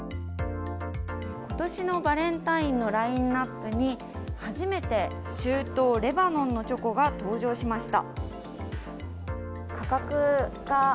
今年のバレンタインのラインナップに初めて中東・レバノンのチョコが登場しました。